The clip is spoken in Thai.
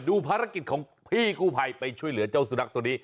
ภารกิจของพี่กู้ภัยไปช่วยเหลือเจ้าสุนัขตัวนี้